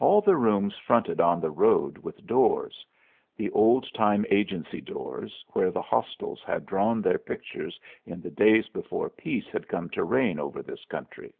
All the rooms fronted on the road with doors the old time agency doors, where the hostiles had drawn their pictures in the days before peace had come to reign over this country.